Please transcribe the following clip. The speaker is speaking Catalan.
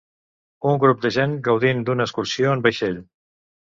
Un grup de gent gaudint d'una excursió en vaixell.